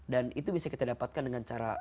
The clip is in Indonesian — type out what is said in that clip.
dan itu bisa kita dapatkan dengan cara